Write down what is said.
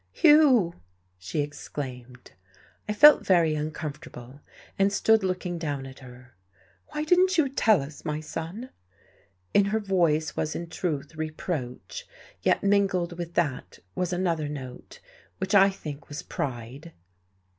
"Hugh!" she exclaimed. I felt very uncomfortable, and stood looking down at her. "Why didn't you tell us, my son?" In her voice was in truth reproach; yet mingled with that was another note, which I think was pride.